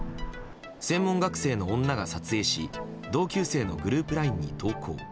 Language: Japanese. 専門学生の女が撮影し同級生のグループＬＩＮＥに投稿。